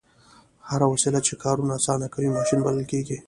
هره وسیله چې کارونه اسانه کوي ماشین بلل کیږي.